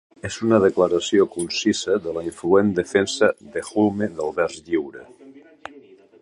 És una declaració concisa de la influent defensa de Hulme del vers lliure.